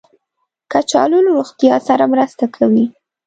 کچالو له روغتیا سره مرسته کوي